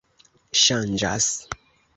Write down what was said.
ŝanĝas